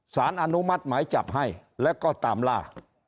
สารอนุมัติหมายจับให้แล้วก็ตามล่า